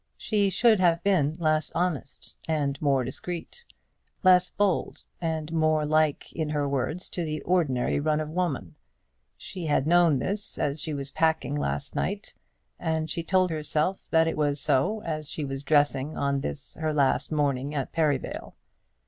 She should have been less honest, and more discreet; less bold, and more like in her words to the ordinary run of women. She had known this as she was packing last night, and she told herself that it was so as she was dressing on this her last morning at Perivale.